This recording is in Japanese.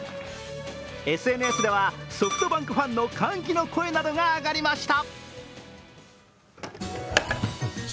ＳＮＳでは、ソフトバンクファンの歓喜の声などが上がりました。